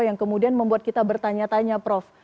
yang kemudian membuat kita bertanya tanya prof